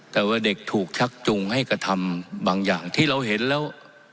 แต่ว่าเด็กถูกชักจุงให้กระทำบางอย่างที่เราเห็นแล้ว